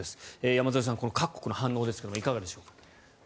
山添さん、各国の反応ですがいかがでしょうか。